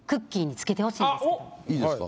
いいですか？